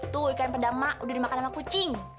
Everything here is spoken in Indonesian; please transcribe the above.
tuh ikan pedang mak udah dimakan sama kucing